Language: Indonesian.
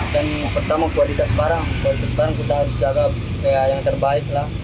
dan pertama buat dikas barang kita harus jaga yang terbaik